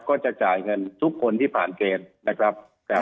ก็จะจ่ายเงินทุกคนที่ผ่านเกณฑ์นะครับ